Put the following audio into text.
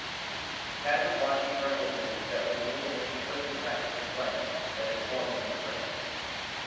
Tad was watching for an opening that would enable him to put in practice a plan that had formed in his brain.